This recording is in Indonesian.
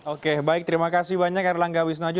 oke baik terima kasih banyak erlangga wisnujo